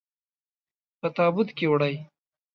په تابوت کې وړئ.